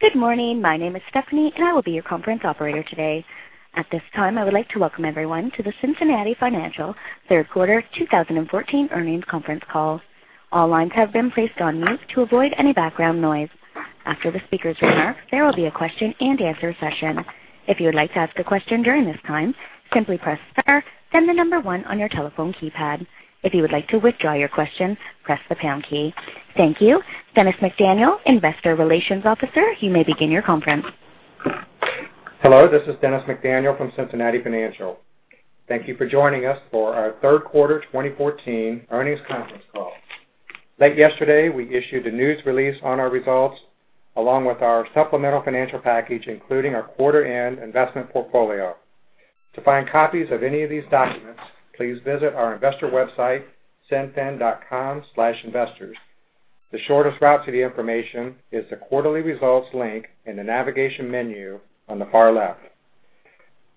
Good morning. My name is Stephanie, I will be your conference operator today. At this time, I would like to welcome everyone to the Cincinnati Financial Third Quarter 2014 Earnings Conference Call. All lines have been placed on mute to avoid any background noise. After the speakers remark, there will be a question and answer session. If you would like to ask a question during this time, simply press star, then the number one on your telephone keypad. If you would like to withdraw your question, press the pound key. Thank you. Dennis McDaniel, Investor Relations Officer, you may begin your conference. Hello, this is Dennis McDaniel from Cincinnati Financial. Thank you for joining us for our third quarter 2014 earnings conference call. Late yesterday, we issued a news release on our results along with our supplemental financial package, including our quarter end investment portfolio. To find copies of any of these documents, please visit our investor website, cinfin.com/investors. The shortest route to the information is the quarterly results link in the navigation menu on the far left.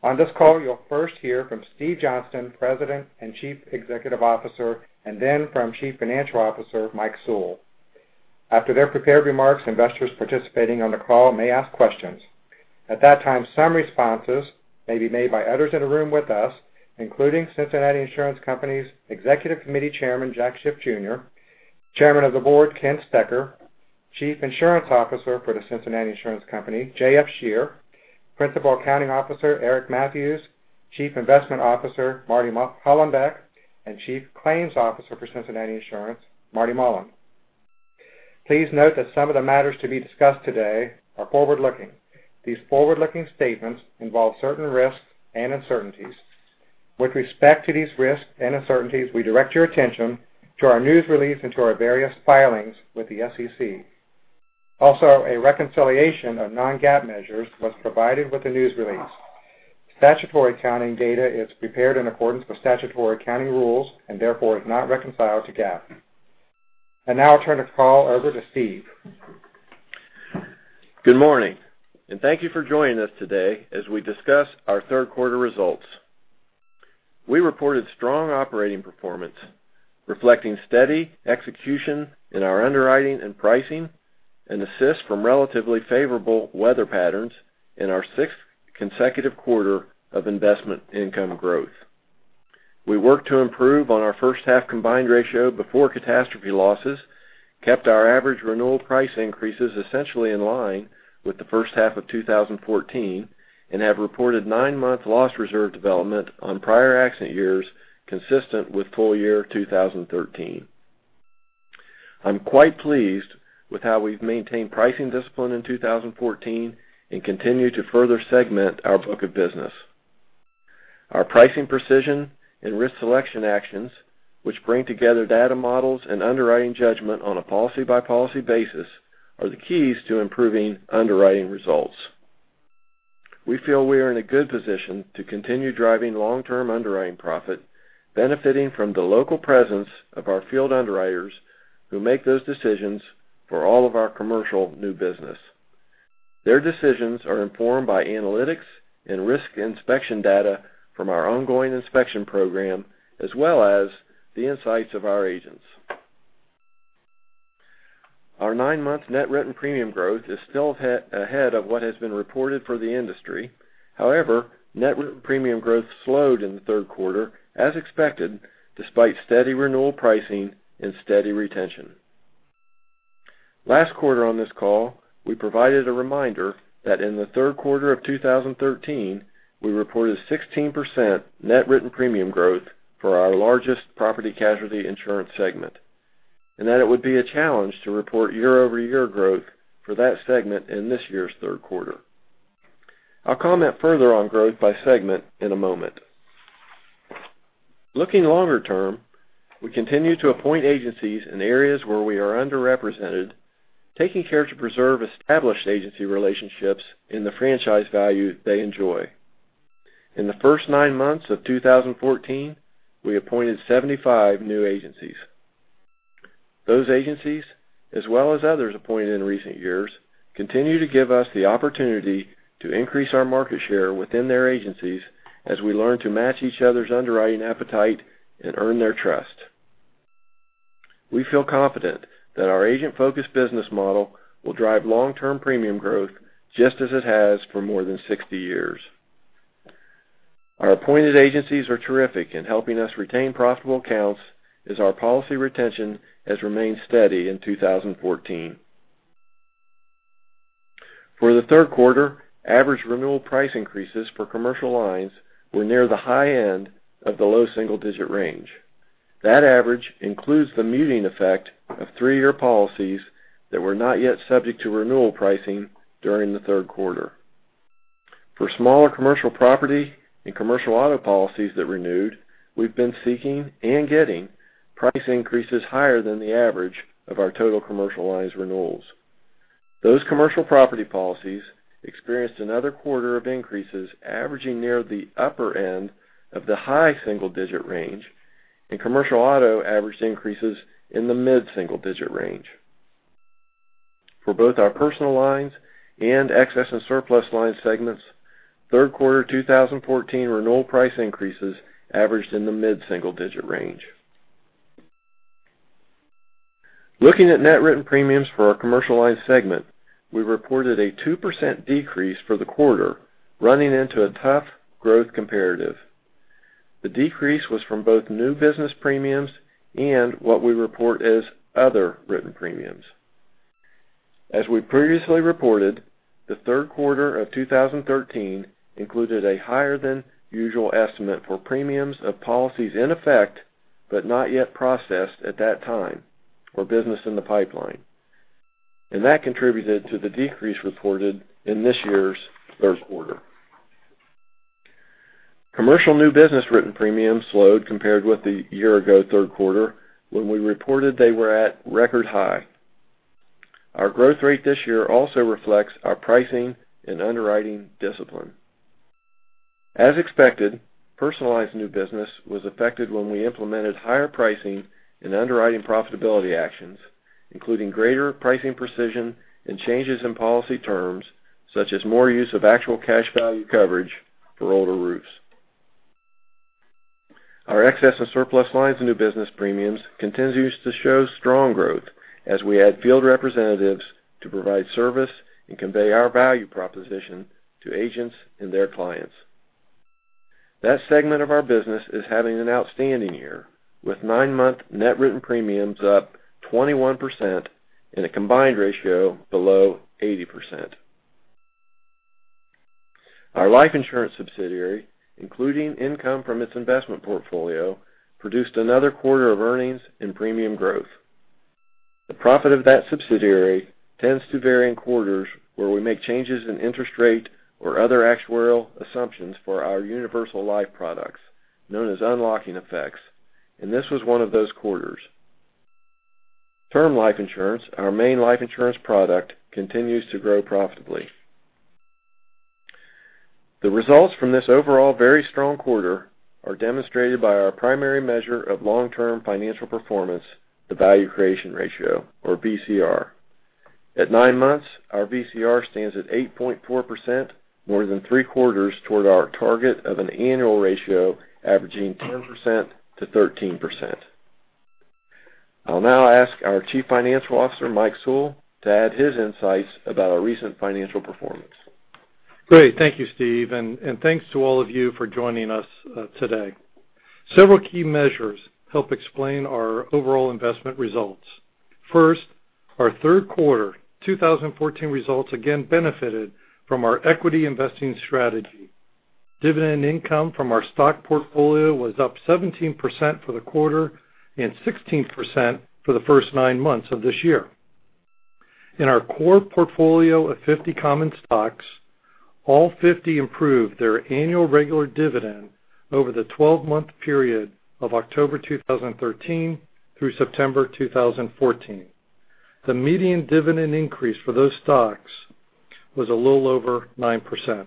On this call, you'll first hear from Steve Johnston, President and Chief Executive Officer, then from Chief Financial Officer, Mike Sewell. After their prepared remarks, investors participating on the call may ask questions. At that time, some responses may be made by others in the room with us, including Cincinnati Insurance Company's Executive Committee Chairman, Jack Schiff Jr., Chairman of the Board, Ken Stecher, Chief Insurance Officer for The Cincinnati Insurance Company, J.F. Scherer, Principal Accounting Officer, Eric Mathews, Chief Investment Officer, Marty Hollenbeck, and Chief Claims Officer for Cincinnati Insurance, Marty Mullen. Please note that some of the matters to be discussed today are forward-looking. These forward-looking statements involve certain risks and uncertainties. With respect to these risks and uncertainties, we direct your attention to our news release and to our various filings with the SEC. Also, a reconciliation of non-GAAP measures was provided with the news release. Statutory accounting data is prepared in accordance with statutory accounting rules and therefore is not reconciled to GAAP. I now turn the call over to Steve. Good morning, thank you for joining us today as we discuss our third quarter results. We reported strong operating performance reflecting steady execution in our underwriting and pricing, an assist from relatively favorable weather patterns in our sixth consecutive quarter of investment income growth. We worked to improve on our first half combined ratio before catastrophe losses, kept our average renewal price increases essentially in line with the first half of 2014, have reported nine months loss reserve development on prior accident years consistent with full year 2013. I'm quite pleased with how we've maintained pricing discipline in 2014 and continue to further segment our book of business. Our pricing precision and risk selection actions, which bring together data models and underwriting judgment on a policy-by-policy basis, are the keys to improving underwriting results. We feel we are in a good position to continue driving long-term underwriting profit, benefiting from the local presence of our field underwriters who make those decisions for all of our commercial new business. Their decisions are informed by analytics and risk inspection data from our ongoing inspection program, as well as the insights of our agents. Our nine months net written premium growth is still ahead of what has been reported for the industry. However, net written premium growth slowed in the third quarter, as expected, despite steady renewal pricing and steady retention. Last quarter on this call, we provided a reminder that in the third quarter of 2013, we reported 16% net written premium growth for our largest property casualty insurance segment, and that it would be a challenge to report year-over-year growth for that segment in this year's third quarter. I'll comment further on growth by segment in a moment. Looking longer term, we continue to appoint agencies in areas where we are underrepresented, taking care to preserve established agency relationships in the franchise value they enjoy. In the first nine months of 2014, we appointed 75 new agencies. Those agencies, as well as others appointed in recent years, continue to give us the opportunity to increase our market share within their agencies as we learn to match each other's underwriting appetite and earn their trust. We feel confident that our agent-focused business model will drive long-term premium growth just as it has for more than 60 years. Our appointed agencies are terrific in helping us retain profitable accounts as our policy retention has remained steady in 2014. For the third quarter, average renewal price increases for Commercial Lines were near the high end of the low single-digit range. That average includes the muting effect of three-year policies that were not yet subject to renewal pricing during the third quarter. For smaller commercial property and commercial auto policies that renewed, we've been seeking and getting price increases higher than the average of our total commercialized renewals. Those commercial property policies experienced another quarter of increases averaging near the upper end of the high single-digit range, and commercial auto averaged increases in the mid single-digit range. For both our Personal Lines and Excess and Surplus Lines segments, third quarter 2014 renewal price increases averaged in the mid single-digit range. Looking at net written premiums for our Commercial Lines segment, we reported a 2% decrease for the quarter, running into a tough growth comparative. The decrease was from both new business premiums and what we report as other written premiums. As we previously reported, the third quarter of 2013 included a higher than usual estimate for premiums of policies in effect, but not yet processed at that time or business in the pipeline. That contributed to the decrease reported in this year's third quarter. Commercial new business written premiums slowed compared with the year-ago third quarter, when we reported they were at record high. Our growth rate this year also reflects our pricing and underwriting discipline. As expected, Personal Lines new business was affected when we implemented higher pricing and underwriting profitability actions, including greater pricing precision and changes in policy terms, such as more use of actual cash value coverage for older roofs. Our Excess and Surplus Lines in new business premiums continues to show strong growth as we add field representatives to provide service and convey our value proposition to agents and their clients. That segment of our business is having an outstanding year, with nine-month net written premiums up 21% and a combined ratio below 80%. Our life insurance subsidiary, including income from its investment portfolio, produced another quarter of earnings and premium growth. The profit of that subsidiary tends to vary in quarters where we make changes in interest rate or other actuarial assumptions for our universal life products, known as unlocking effects, and this was one of those quarters. Term life insurance, our main life insurance product, continues to grow profitably. The results from this overall very strong quarter are demonstrated by our primary measure of long-term financial performance, the value creation ratio, or VCR. At nine months, our VCR stands at 8.4%, more than three-quarters toward our target of an annual ratio averaging 10%-13%. I'll now ask our Chief Financial Officer, Mike Sewell, to add his insights about our recent financial performance. Great. Thank you, Steve, and thanks to all of you for joining us today. Several key measures help explain our overall investment results. First, our third quarter 2014 results again benefited from our equity investing strategy. Dividend income from our stock portfolio was up 17% for the quarter and 16% for the first nine months of this year. In our core portfolio of 50 common stocks, all 50 improved their annual regular dividend over the 12-month period of October 2013 through September 2014. The median dividend increase for those stocks was a little over 9%.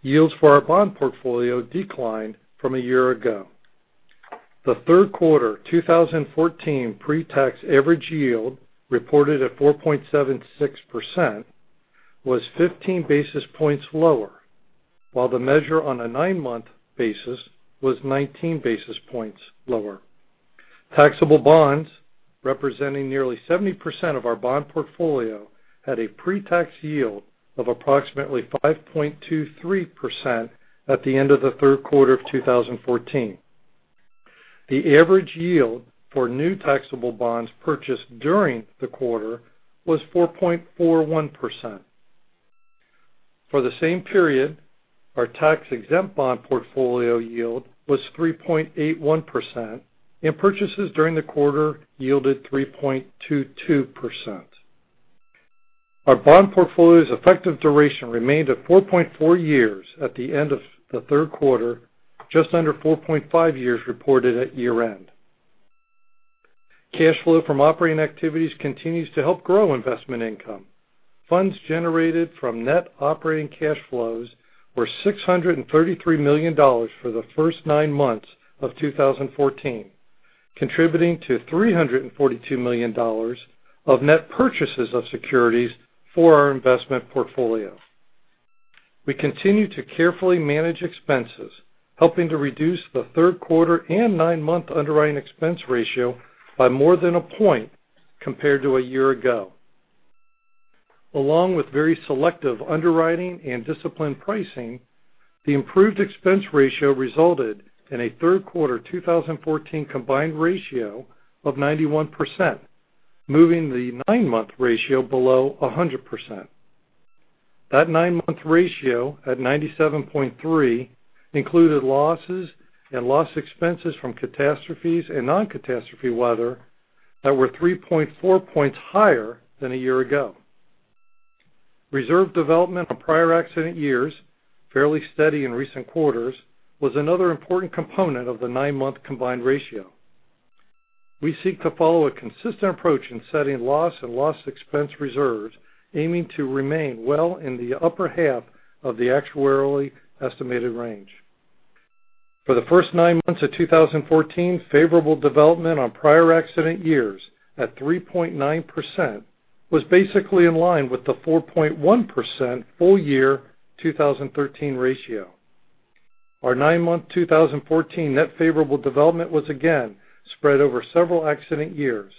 Yields for our bond portfolio declined from a year ago. The third quarter 2014 pre-tax average yield, reported at 4.76%, was 15 basis points lower, while the measure on a nine-month basis was 19 basis points lower. Taxable bonds, representing nearly 70% of our bond portfolio, had a pre-tax yield of approximately 5.23% at the end of the third quarter of 2014. The average yield for new taxable bonds purchased during the quarter was 4.41%. For the same period, our tax-exempt bond portfolio yield was 3.81%, and purchases during the quarter yielded 3.22%. Our bond portfolio's effective duration remained at 4.4 years at the end of the third quarter, just under 4.5 years reported at year-end. Cash flow from operating activities continues to help grow investment income. Funds generated from net operating cash flows were $633 million for the first nine months of 2014, contributing to $342 million of net purchases of securities for our investment portfolio. We continue to carefully manage expenses, helping to reduce the third quarter and nine-month underwriting expense ratio by more than a point compared to a year ago. Along with very selective underwriting and disciplined pricing, the improved expense ratio resulted in a third quarter 2014 combined ratio of 91%, moving the nine-month ratio below 100%. That nine-month ratio, at 97.3, included losses and loss expenses from catastrophes and non-catastrophe weather that were 3.4 points higher than a year ago. Reserve development on prior accident years, fairly steady in recent quarters, was another important component of the nine-month combined ratio. We seek to follow a consistent approach in setting loss and loss expense reserves, aiming to remain well in the upper half of the actuarially estimated range. For the first nine months of 2014, favorable development on prior accident years at 3.9% was basically in line with the 4.1% full year 2013 ratio. Our nine-month 2014 net favorable development was again spread over several accident years,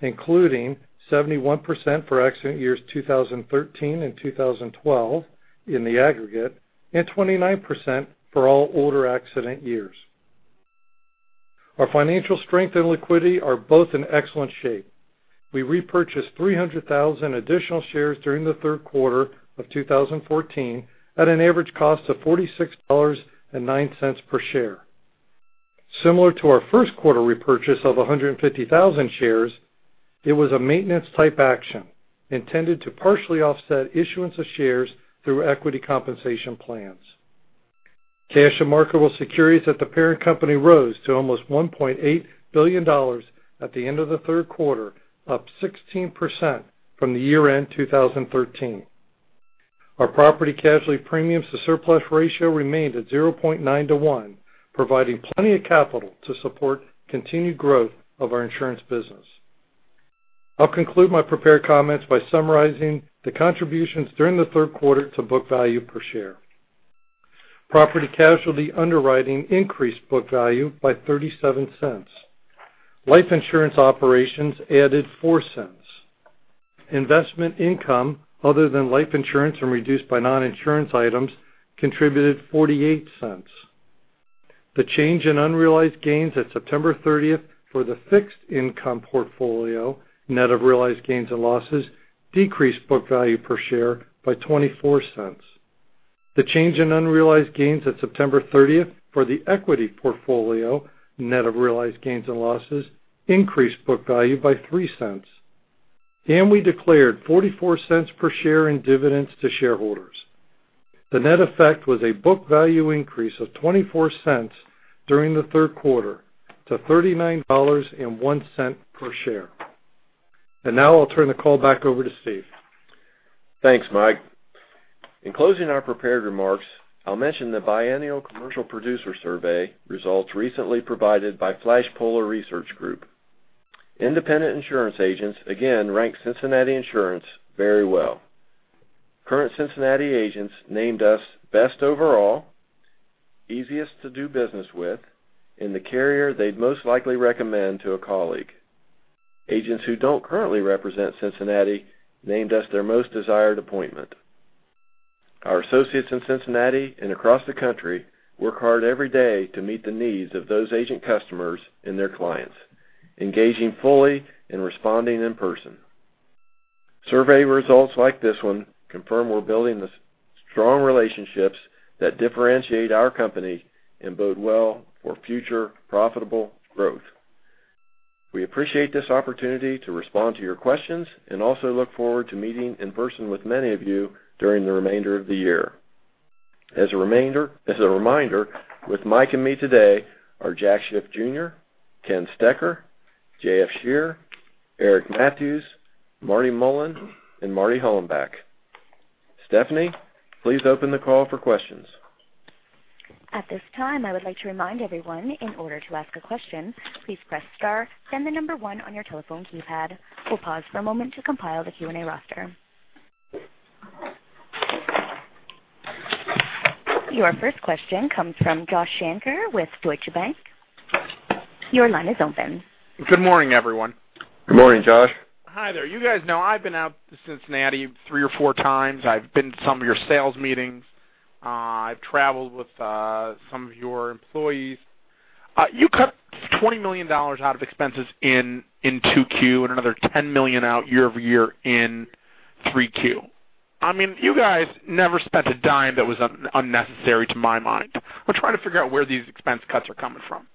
including 71% for accident years 2013 and 2012 in the aggregate, and 29% for all older accident years. Our financial strength and liquidity are both in excellent shape. We repurchased 300,000 additional shares during the third quarter of 2014 at an average cost of $46.09 per share. Similar to our first quarter repurchase of 150,000 shares, it was a maintenance type action intended to partially offset issuance of shares through equity compensation plans. Cash and marketable securities at the parent company rose to almost $1.8 billion at the end of the third quarter, up 16% from the year-end 2013. Our property casualty premiums to surplus ratio remained at 0.9 to one, providing plenty of capital to support continued growth of our insurance business. I'll conclude my prepared comments by summarizing the contributions during the third quarter to book value per share. Property casualty underwriting increased book value by $0.37. Life insurance operations added $0.04. Investment income other than life insurance and reduced by non-insurance items contributed $0.48. The change in unrealized gains at September 30th for the fixed income portfolio, net of realized gains and losses, decreased book value per share by $0.24. The change in unrealized gains at September 30th for the equity portfolio, net of realized gains and losses, increased book value by $0.03. We declared $0.44 per share in dividends to shareholders. The net effect was a book value increase of $0.24 during the third quarter to $39.01 per share. Now I'll turn the call back over to Steve. Thanks, Mike. In closing our prepared remarks, I'll mention the biannual commercial producer survey results recently provided by Flaspöhler Research Group. Independent insurance agents again ranked Cincinnati Insurance very well. Current Cincinnati agents named us best overall, easiest to do business with, and the carrier they'd most likely recommend to a colleague. Agents who don't currently represent Cincinnati named us their most desired appointment. Our associates in Cincinnati and across the country work hard every day to meet the needs of those agent customers and their clients, engaging fully and responding in person. Survey results like this one confirm we're building the strong relationships that differentiate our company and bode well for future profitable growth. We appreciate this opportunity to respond to your questions and also look forward to meeting in person with many of you during the remainder of the year. As a reminder, with Mike and me today are Jack Schiff Jr., Ken Stecher, J.F. Scherer, Eric Matthews, Marty Mullen, and Marty Hollenbeck. Stephanie, please open the call for questions. At this time, I would like to remind everyone, in order to ask a question, please press star, then the number one on your telephone keypad. We'll pause for a moment to compile the Q&A roster. Your first question comes from Joshua Shanker with Deutsche Bank. Your line is open. Good morning, everyone. Good morning, Josh. Hi there. You guys know I've been out to Cincinnati three or four times. I've been to some of your sales meetings. I've traveled with some of your employees. You cut $20 million out of expenses in 2Q and another $10 million out year-over-year in 3Q. I mean, you guys never spent a dime that was unnecessary to my mind. We're trying to figure out where these expense cuts are coming from.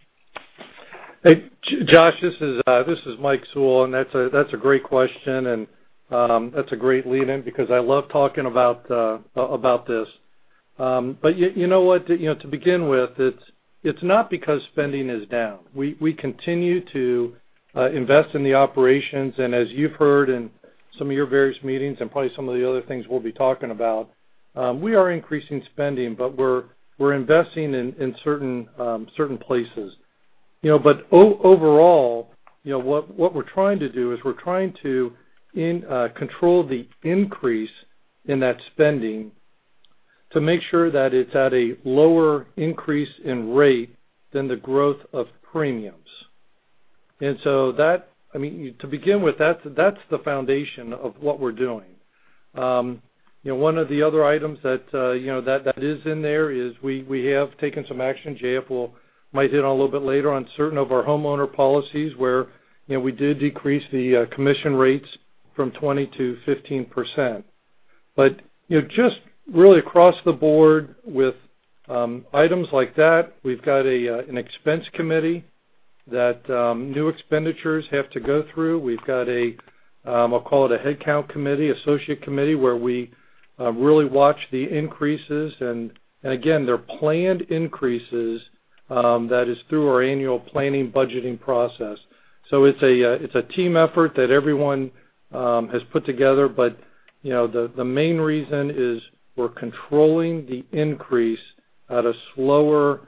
Hey, Josh, this is Mike Sewell, that's a great question, and that's a great lead in because I love talking about this. You know what? To begin with, it's not because spending is down. We continue to invest in the operations, as you've heard in some of your various meetings and probably some of the other things we'll be talking about, we are increasing spending, but we're investing in certain places. Overall, what we're trying to do is we're trying to control the increase in that spending to make sure that it's at a lower increase in rate than the growth of premiums. To begin with, that's the foundation of what we're doing. One of the other items that is in there is we have taken some action, J.F. might hit on a little bit later on certain of our homeowner policies where we did decrease the commission rates from 20% to 15%. Just really across the board with items like that, we've got an expense committee that new expenditures have to go through. We've got a, I'll call it a headcount committee, associate committee, where we really watch the increases, again, they're planned increases. That is through our annual planning budgeting process. It's a team effort that everyone has put together, but the main reason is we're controlling the increase at a slower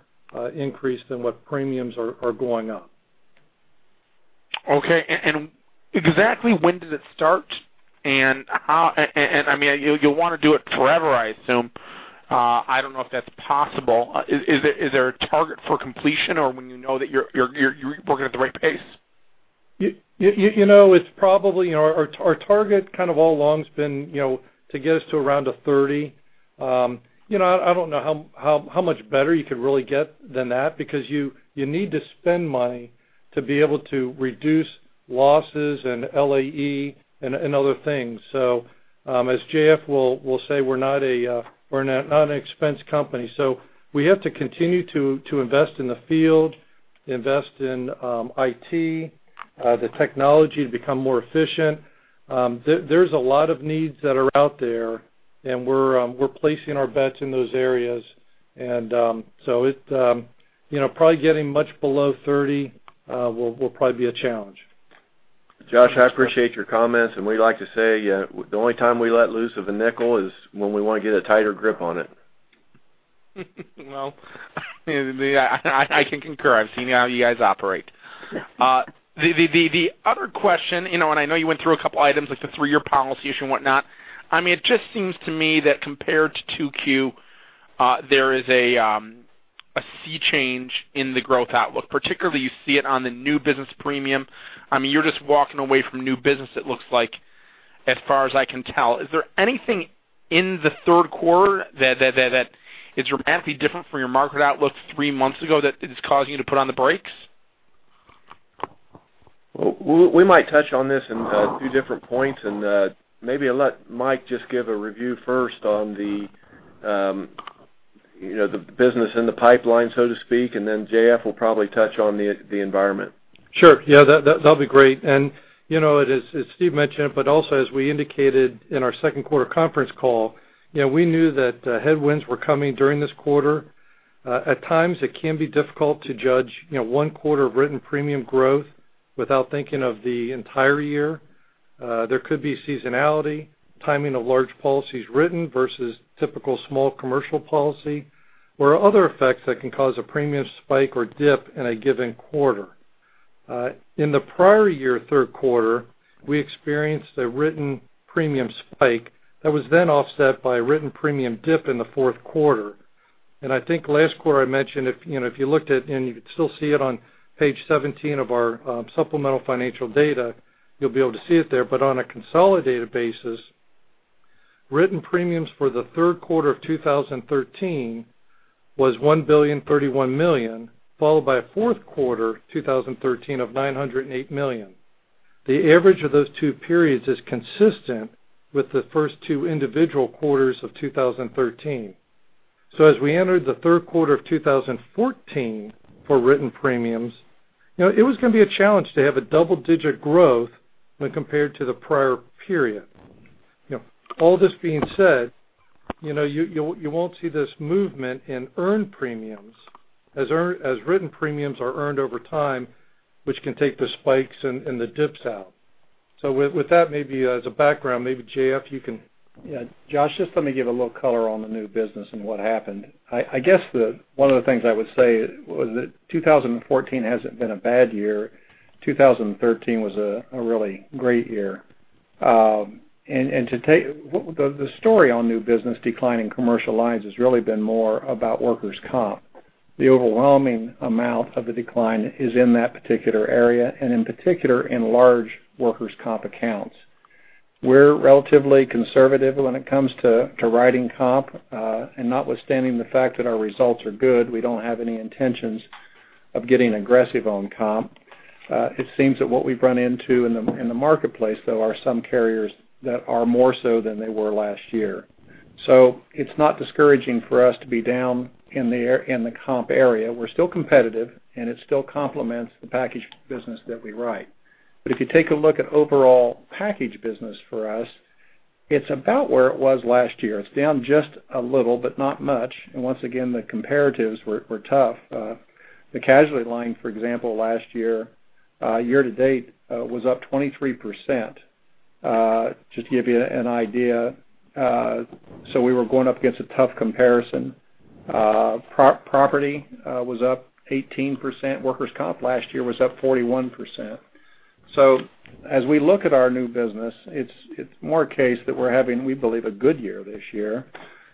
increase than what premiums are going up Okay. Exactly when does it start? You'll want to do it forever, I assume. I don't know if that's possible. Is there a target for completion or when you know that you're working at the right pace? Our target kind of all along has been to get us to around a 30%. I don't know how much better you could really get than that because you need to spend money to be able to reduce losses and LAE and other things. As J.F. will say, we're not an expense company. We have to continue to invest in the field, invest in IT, the technology to become more efficient. There's a lot of needs that are out there, and we're placing our bets in those areas. Probably getting much below 30% will probably be a challenge. Josh, I appreciate your comments. We like to say, the only time we let loose of a nickel is when we want to get a tighter grip on it. Well, I can concur. I've seen how you guys operate. The other question, I know you went through a couple items, like the three-year policy issue and whatnot. It just seems to me that compared to 2Q, there is a sea change in the growth outlook. Particularly you see it on the new business premium. You're just walking away from new business, it looks like, as far as I can tell. Is there anything in the third quarter that is dramatically different from your market outlook three months ago that is causing you to put on the brakes? We might touch on this in a few different points. Maybe I'll let Mike just give a review first on the business in the pipeline, so to speak. Then J.F. will probably touch on the environment. Sure. Yeah, that'd be great. As Steve mentioned, but also as we indicated in our second quarter conference call, we knew that headwinds were coming during this quarter. At times it can be difficult to judge one quarter of written premium growth without thinking of the entire year. There could be seasonality, timing of large policies written versus typical small commercial policy, or other effects that can cause a premium spike or dip in a given quarter. In the prior year, third quarter, we experienced a written premium spike that was then offset by a written premium dip in the fourth quarter. I think last quarter I mentioned, if you looked at, and you could still see it on page 17 of our supplemental financial data, you'll be able to see it there. On a consolidated basis, written premiums for the third quarter of 2013 was $1,031 million, followed by a fourth quarter 2013 of $908 million. The average of those two periods is consistent with the first two individual quarters of 2013. As we entered the third quarter of 2014 for written premiums, it was going to be a challenge to have a double-digit growth when compared to the prior period. All this being said, you won't see this movement in earned premiums as written premiums are earned over time, which can take the spikes and the dips out. With that, maybe as a background, maybe J.F., you can- Yeah, Josh, just let me give a little color on the new business and what happened. I guess one of the things I would say was that 2014 hasn't been a bad year. 2013 was a really great year. The story on new business decline in commercial lines has really been more about workers' compensation. The overwhelming amount of the decline is in that particular area, and in particular in large workers' compensation accounts. We're relatively conservative when it comes to writing comp. Notwithstanding the fact that our results are good, we don't have any intentions of getting aggressive on comp. It seems that what we've run into in the marketplace, though, are some carriers that are more so than they were last year. It's not discouraging for us to be down in the comp area. We're still competitive, it still complements the package business that we write. If you take a look at overall package business for us, it's about where it was last year. It's down just a little, but not much. Once again, the comparatives were tough. The casualty line, for example, last year-to-date, was up 23%, just to give you an idea. We were going up against a tough comparison. Property was up 18%. Workers' comp last year was up 41%. As we look at our new business, it's more a case that we're having, we believe, a good year this year.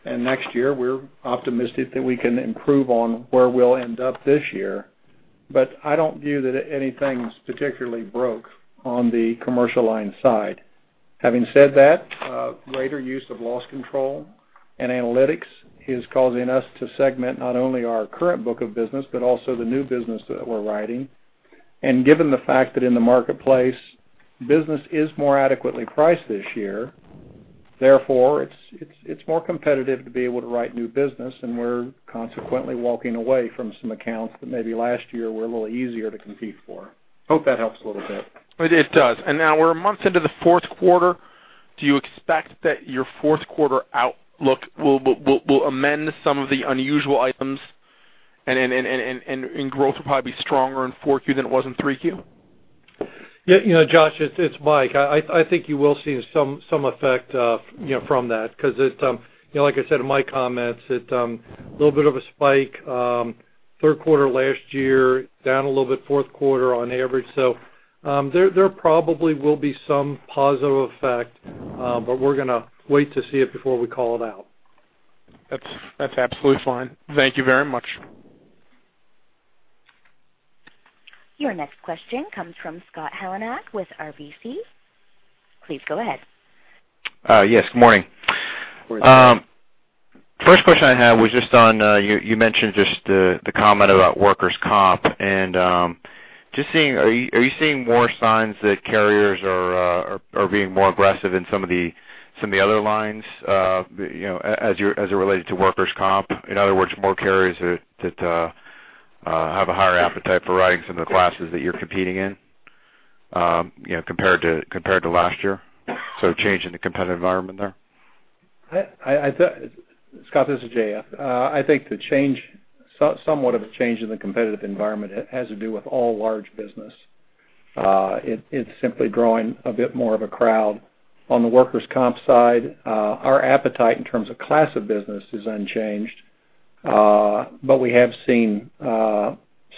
Next year, we're optimistic that we can improve on where we'll end up this year. I don't view that anything's particularly broke on the commercial line side. Having said that, greater use of loss control and analytics is causing us to segment not only our current book of business but also the new business that we're writing. Given the fact that in the marketplace, business is more adequately priced this year, therefore it's more competitive to be able to write new business. We're consequently walking away from some accounts that maybe last year were a little easier to compete for. Hope that helps a little bit. It does. Now we're months into the fourth quarter. Do you expect that your fourth quarter outlook will amend some of the unusual items and growth will probably be stronger in 4Q than it was in 3Q? Yeah. Josh, it's Mike. I think you will see some effect from that because, like I said in my comments, a little bit of a spike Third quarter last year, down a little bit fourth quarter on average. There probably will be some positive effect, but we're going to wait to see it before we call it out. That's absolutely fine. Thank you very much. Your next question comes from Scott Heleniak with RBC. Please go ahead. Yes, good morning. Good morning. First question I had was just on, you mentioned just the comment about workers' compensation. Are you seeing more signs that carriers are being more aggressive in some of the other lines as it related to workers' compensation? In other words, more carriers that have a higher appetite for writing some of the classes that you're competing in, compared to last year? Change in the competitive environment there? Scott, this is J.F. I think somewhat of a change in the competitive environment has to do with all large business. It's simply drawing a bit more of a crowd. On the workers' compensation side, our appetite in terms of class of business is unchanged. We have seen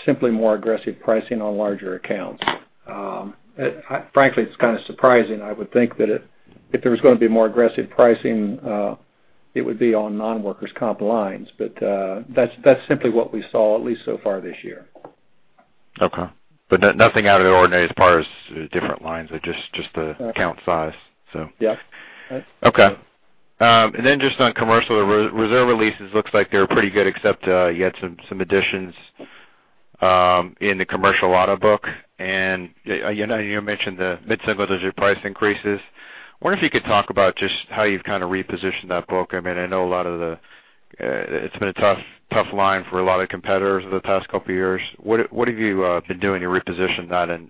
simply more aggressive pricing on larger accounts. Frankly, it's kind of surprising. I would think that if there was going to be more aggressive pricing, it would be on non-workers' compensation lines. That's simply what we saw, at least so far this year. Okay. Nothing out of the ordinary as far as different lines, but just the account size. Yes. Okay. Just on commercial, the reserve releases looks like they were pretty good, except you had some additions in the commercial auto book. I know you mentioned the mid-single digit price increases. I wonder if you could talk about just how you've kind of repositioned that book. I know it's been a tough line for a lot of competitors over the past couple of years. What have you been doing to reposition that, and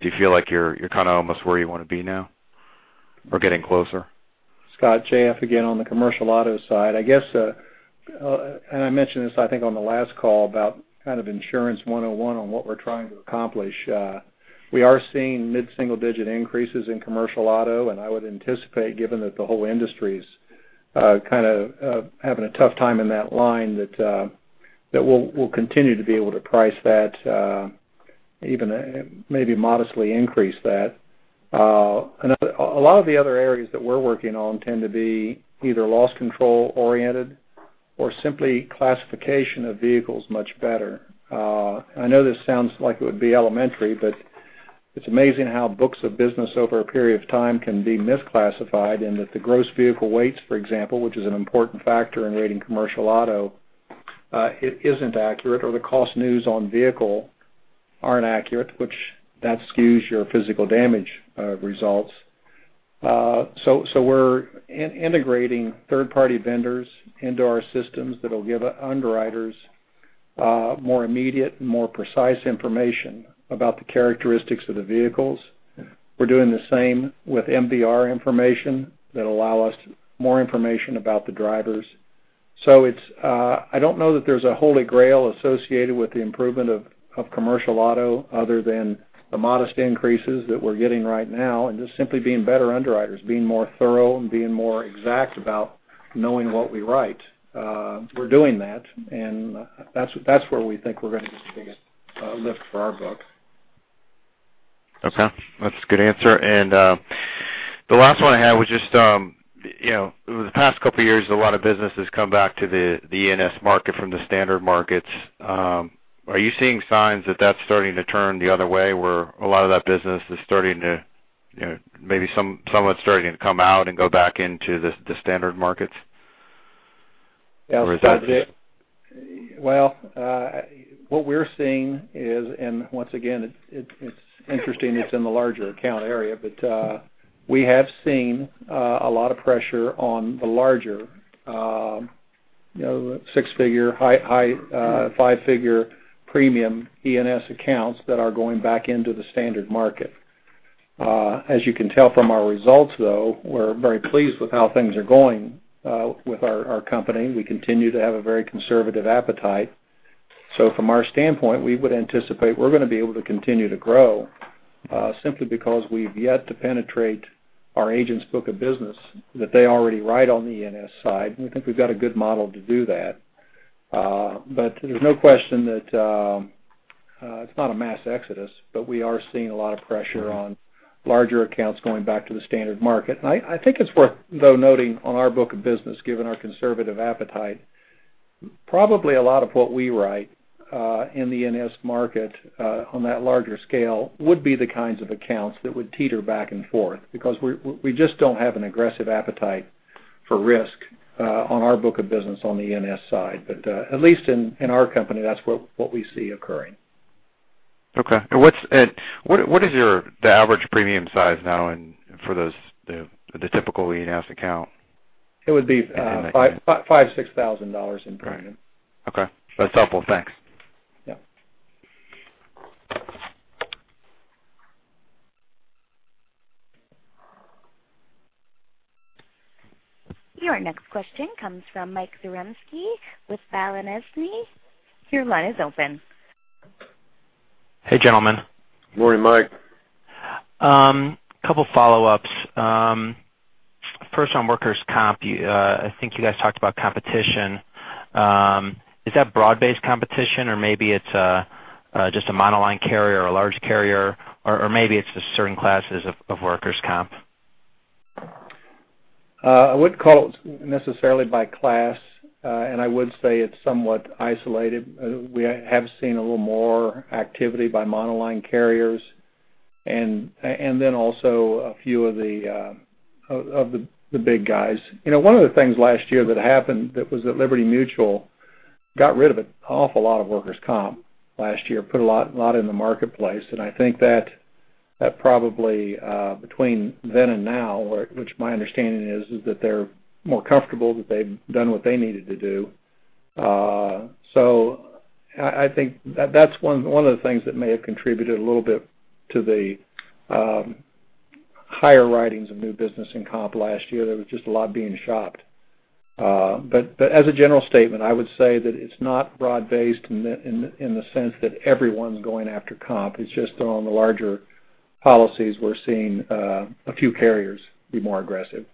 do you feel like you're kind of almost where you want to be now or getting closer? Scott, J.F. again, on the commercial auto side. I mentioned this, I think, on the last call about kind of insurance 101 on what we're trying to accomplish. We are seeing mid-single digit increases in commercial auto, and I would anticipate, given that the whole industry's kind of having a tough time in that line, that we'll continue to be able to price that, even maybe modestly increase that. A lot of the other areas that we're working on tend to be either loss control oriented or simply classification of vehicles much better. I know this sounds like it would be elementary, but it's amazing how books of business over a period of time can be misclassified and that the gross vehicle weight, for example, which is an important factor in rating commercial auto, it isn't accurate, or the cost new on vehicle aren't accurate, which that skews your physical damage results. We're integrating third party vendors into our systems that'll give underwriters more immediate and more precise information about the characteristics of the vehicles. We're doing the same with MVR information that allow us more information about the drivers. I don't know that there's a holy grail associated with the improvement of commercial auto other than the modest increases that we're getting right now and just simply being better underwriters, being more thorough and being more exact about knowing what we write. We're doing that, and that's where we think we're going to get the biggest lift for our book. Okay. That's a good answer. The last one I had was just, over the past couple of years, a lot of business has come back to the E&S market from the standard markets. Are you seeing signs that that's starting to turn the other way, where a lot of that business is starting to, maybe some of it's starting to come out and go back into the standard markets? Or is that- What we're seeing is, once again, it's interesting it's in the larger account area, we have seen a lot of pressure on the larger six-figure, high five-figure premium E&S accounts that are going back into the standard market. As you can tell from our results, though, we're very pleased with how things are going with our company. We continue to have a very conservative appetite. From our standpoint, we would anticipate we're going to be able to continue to grow, simply because we've yet to penetrate our agents' book of business that they already write on the E&S side, we think we've got a good model to do that. There's no question that it's not a mass exodus, we are seeing a lot of pressure on larger accounts going back to the standard market. I think it's worth, though, noting on our book of business, given our conservative appetite, probably a lot of what we write in the E&S market on that larger scale would be the kinds of accounts that would teeter back and forth because we just don't have an aggressive appetite for risk on our book of business on the E&S side. At least in our company, that's what we see occurring. Okay. What is the average premium size now for the typical E&S account? It would be $5,000, $6,000 in premium. Okay. That's helpful. Thanks. Yeah. Your next question comes from Mike Zaremski with Balyasny. Your line is open. Hey, gentlemen. Morning, Mike. A couple follow-ups. First on workers' compensation, I think you guys talked about competition. Is that broad-based competition or maybe it's just a monoline carrier or a large carrier, or maybe it's just certain classes of workers' compensation? I wouldn't call it necessarily by class, I would say it's somewhat isolated. We have seen a little more activity by monoline carriers and then also a few of the big guys. One of the things last year that happened that was at Liberty Mutual got rid of an awful lot of workers' compensation last year, put a lot in the marketplace. I think that probably between then and now, which my understanding is that they're more comfortable that they've done what they needed to do. I think that's one of the things that may have contributed a little bit to the higher writings of new business in comp last year. There was just a lot being shopped. As a general statement, I would say that it's not broad-based in the sense that everyone's going after comp. It's just on the larger policies, we're seeing a few carriers be more aggressive.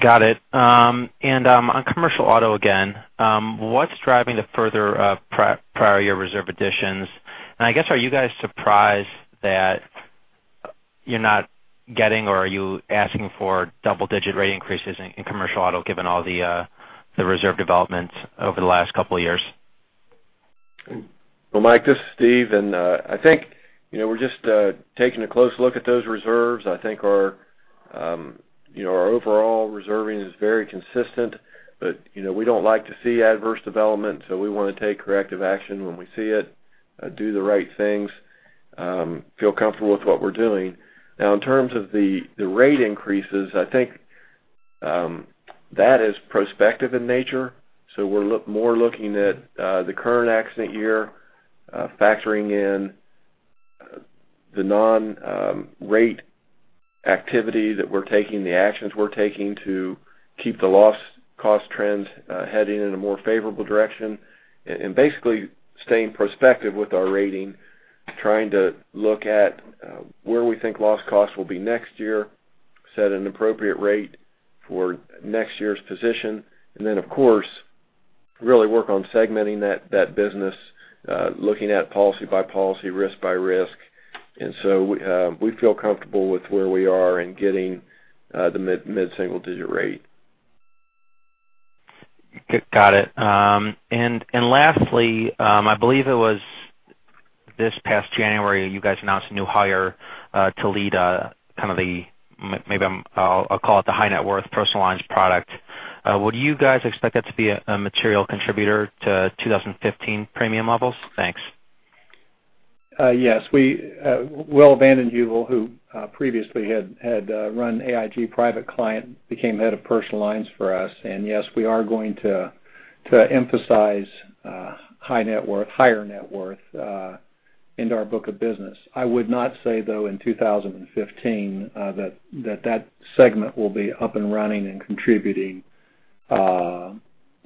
Got it. On commercial auto again, what's driving the further prior year reserve additions? I guess, are you guys surprised that you're not getting or are you asking for double-digit rate increases in commercial auto given all the reserve developments over the last couple of years? Well, Mike, this is Steve. I think we're just taking a close look at those reserves. I think our overall reserving is very consistent, but we don't like to see adverse development, so we want to take corrective action when we see it, do the right things, feel comfortable with what we're doing. Now, in terms of the rate increases, I think that is prospective in nature. We're more looking at the current accident year, factoring in the non-rate activity that we're taking, the actions we're taking to keep the loss cost trends heading in a more favorable direction. Basically staying prospective with our rating, trying to look at where we think loss costs will be next year, set an appropriate rate for next year's position, and then of course, really work on segmenting that business, looking at policy by policy, risk by risk. We feel comfortable with where we are in getting the mid-single-digit rate. Got it. Lastly, I believe it was this past January, you guys announced a new hire to lead a kind of the, maybe I'll call it the high-net-worth personal lines product. Would you guys expect that to be a material contributor to 2015 premium levels? Thanks. Yes. Will van den Heuvel, who previously had run AIG Private Client, became head of personal lines for us. Yes, we are going to emphasize higher net worth into our book of business. I would not say, though, in 2015, that segment will be up and running and contributing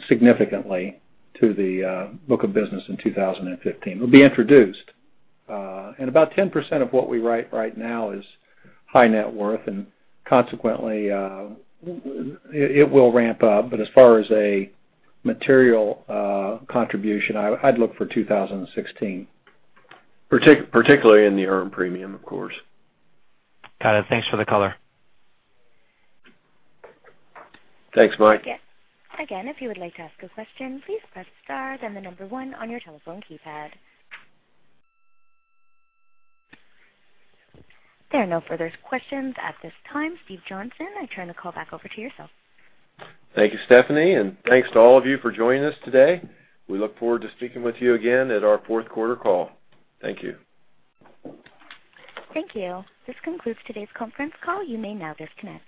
significantly to the book of business in 2015. It'll be introduced. About 10% of what we write right now is high net worth, and consequently, it will ramp up. As far as a material contribution, I'd look for 2016. Particularly in the earned premium, of course. Got it. Thanks for the color. Thanks, Mike. Again, if you would like to ask a question, please press star, then the number one on your telephone keypad. There are no further questions at this time. Steven Johnston, I turn the call back over to yourself. Thank you, Stephanie, and thanks to all of you for joining us today. We look forward to speaking with you again at our fourth quarter call. Thank you. Thank you. This concludes today's conference call. You may now disconnect.